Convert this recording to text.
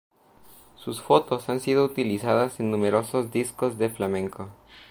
Sus fotos han sido utilizadas en numerosos discos de flamenco.